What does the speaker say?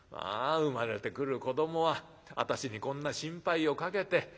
生まれてくる子どもは私にこんな心配をかけて。